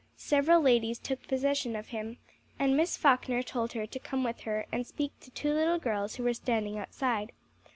Several ladies took possession of him, and Miss Falkner told her to come with her and speak to two little girls who were standing outside.